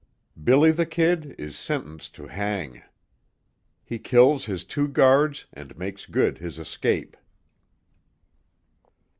"BILLY THE KID" IS SENTENCED TO HANG. HE KILLS HIS TWO GUARDS AND MAKES GOOD HIS ESCAPE.